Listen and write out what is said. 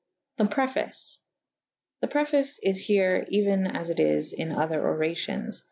The Preface. The preface is here euyn as it is in other oracions.